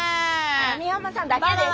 網浜さんだけです。